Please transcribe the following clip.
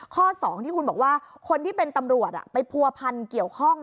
ข้อ๒ที่คุณบอกว่าคนที่เป็นตำรวจไปผัวพันเกี่ยวข้อง